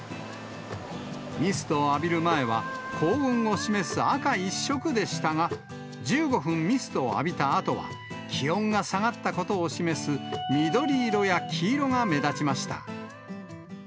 ミストを浴びる前は高温を示す赤一色でしたが、１５分ミストを浴びたあとは、気温が下がったことを示す緑色や黄色が目立ちました。